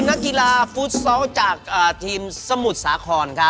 นักกีฬาฟุตซอลจากทีมสมุทรสาครครับ